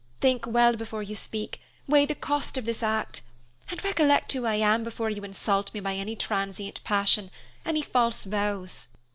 Think well before you speak, weigh the cost of this act, and recollect who I am before you insult me by any transient passion, any false vows."